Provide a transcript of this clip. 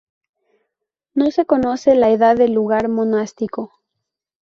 No se conoce la edad del lugar monástico.